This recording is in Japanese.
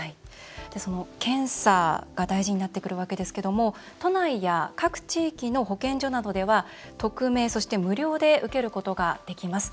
その検査が大事になってくるわけですけども都内や各地域の保健所などでは匿名、そして無料で受けることができます。